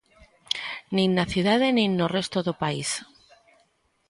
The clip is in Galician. Nin na cidade nin no resto do país.